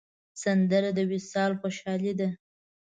سندره د وصال خوشحالي ده